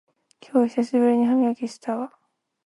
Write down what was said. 今日久しぶりに歯磨きしたわ